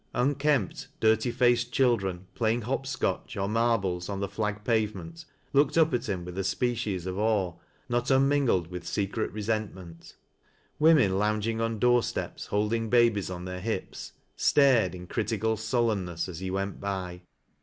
Un kempt, dirty faced children, playing hop scotch or mar bles on the flag pavement, looked up at liim with a species of awe, not unmingled with secret resentment ; womei lounging on door steps, holding babies on their liips, stared in critical suUenness as he went by.